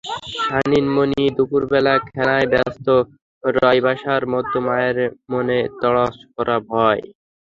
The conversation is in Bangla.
শানীন মণি দুপুরবেলা খেলায় ব্যস্ত রয়বাসার মধ্যে মায়ের মনে তড়াস করা ভয়।